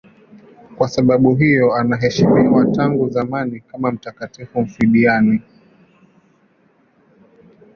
Kwa sababu hiyo anaheshimiwa tangu zamani kama mtakatifu mfiadini.